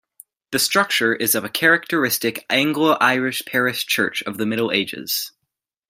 The structure is of a characteristic Anglo-Irish parish church of the Middle Ages.